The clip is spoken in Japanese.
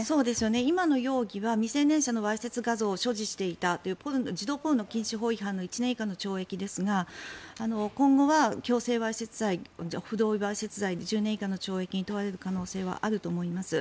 今の容疑は未成年者のわいせつ画像を所持していたという児童ポルノ禁止法違反の１年以下の懲役ですが今後は強制わいせつ罪不同意わいせつ罪１０年以下の懲役に問われる可能性はあると思います。